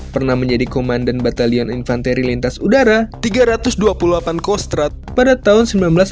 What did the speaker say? pernah menjadi komandan batalion infanteri lintas udara tiga ratus dua puluh delapan kostrat pada tahun seribu sembilan ratus sembilan puluh